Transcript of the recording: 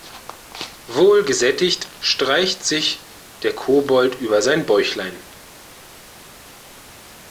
Wohl gesättigt streicht sich der Kobold über sein Bäuchlein.